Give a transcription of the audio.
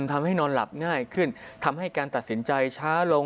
นอนหลับง่ายขึ้นทำให้การตัดสินใจช้าลง